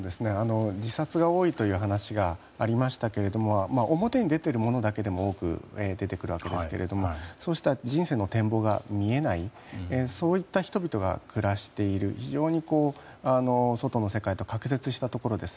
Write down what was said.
自殺が多いという話がありましたけど表に出ているものだけでも多く出てくるわけですがそうした人生の展望が見えないそういった人々が暮らしている非常に外の世界と隔絶したところです。